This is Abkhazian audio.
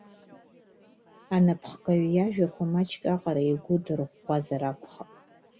Анапхгаҩ иажәақәа маҷк аҟара игәы дырӷәӷәазар акәхап.